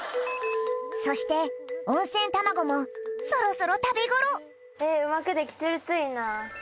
そして温泉卵もそろそろ食べ頃うまく出来てるといいな。